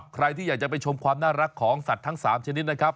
ใครที่อยากจะไปชมความน่ารักของสัตว์ทั้ง๓ชนิดนะครับ